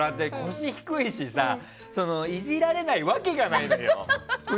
腰低いしさイジられないわけがないのよ。